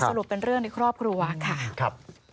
สรุปเป็นเรื่องในครอบครัวค่ะ